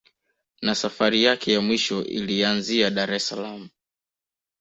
Na safari yake ya mwisho ilianzia Dar es saalam